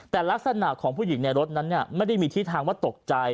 แต่ลักษณะของผู้หญิงในรถนั้นไม่ได้มีที่ทางว่าตกใจ